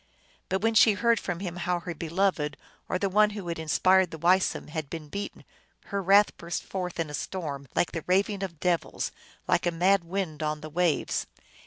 But when she heard from him how her beloved, or the one who had inspired the Weisum, had been beaten, her wrath burst forth in a storm, like the raving of devils, like a mad wind on the waves.